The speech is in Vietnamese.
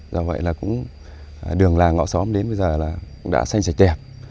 do vậy là cũng đường làng ngõ xóm đến bây giờ là cũng đã xanh sạch đẹp